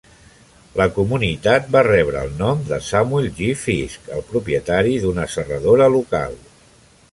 La comunitat va rebre el nom de Samuel J. Fisk, el propietari d'una serradora local.